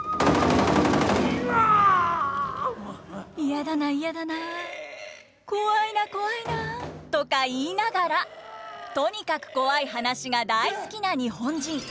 「嫌だな嫌だなコワいなコワいな」とか言いながらとにかくコワい話が大好きな日本人。